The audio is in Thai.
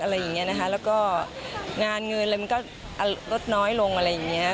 อะไรอย่างนี้นะคะแล้วก็งานเงินอะไรมันก็ลดน้อยลงอะไรอย่างเงี้ย